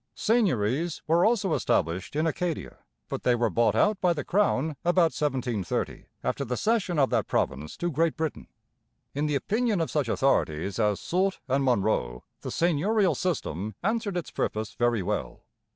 Seigneuries were also established in Acadia; but they were bought out by the Crown about 1730, after the cession of that province to Great Britain. In the opinion of such authorities as Sulte and Munro the seigneurial system answered its purpose very well.